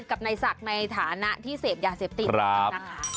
กับนายศักดิ์ในฐานะที่เสพยาเสพติดนะคะ